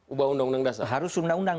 ubah undang undang dasar harus undang undang